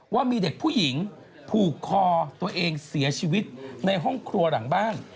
ว่ามีเด็กผู้หญิงผูกคอตัวเองเสียชีวิตในห้องครัวหลังบ้าน